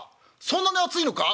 そんなに熱いのか？」。